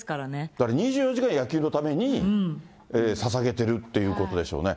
だから２４時間、野球のためにささげてるってことでしょうね。